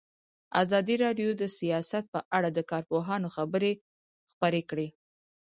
ازادي راډیو د سیاست په اړه د کارپوهانو خبرې خپرې کړي.